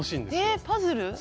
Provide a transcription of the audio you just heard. えっパズル？